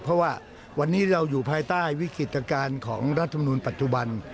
เพราะว่าวันนี้เราอยู่ภายใต้วิกฤตการณ์ของรัฐมนุนปัจจุบัน